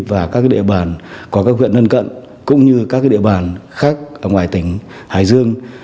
và các địa bàn của các huyện lân cận cũng như các địa bàn khác ở ngoài tỉnh hải dương